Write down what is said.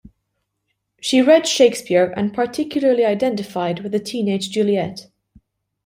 She read Shakespeare and particularly identified with the teenage Juliet.